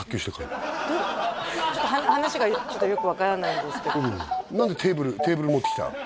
ちょっと話がよく分からないんですけど何でテーブル持ってきた？